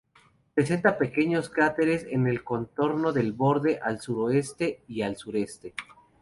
Presenta pequeños cráteres en el contorno del borde al suroeste y al sureste.